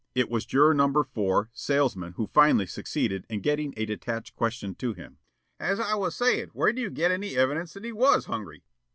It was Juror No. 4, salesman, who finally succeeded in getting a detached question to him. "As I was saying, where do you get any evidence that he WAS hungry?"